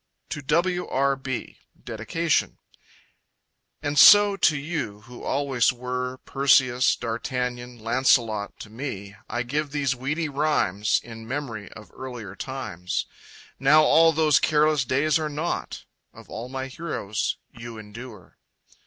To W. R. B. Dedication And so, to you, who always were Perseus, D'Artagnan, Lancelot To me, I give these weedy rhymes In memory of earlier times. Now all those careless days are not. Of all my heroes, you endure.